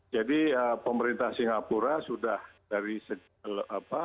jadi pemerintah singapura sudah dari segala apa